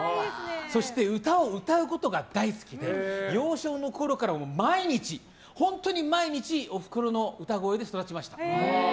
そして歌を歌うことが大好きで幼少のころから毎日本当に毎日、おふくろの歌声で育ちました。